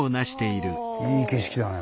いい景色だね。